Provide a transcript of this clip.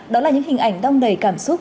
đó là những hình ảnh đong đầy cảm xúc